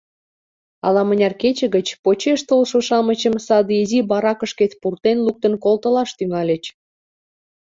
Ала-мыняр кече гыч почеш толшо-шамычым саде изи баракышкет пуртен луктын колтылаш тӱҥальыч.